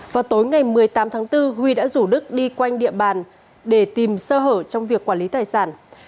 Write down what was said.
vào tối ngày một mươi tám tháng bốn huy đã rủ đức đi quanh địa bàn để tìm sơ hở trong việc quản lý tài sản